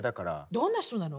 どんな人なの？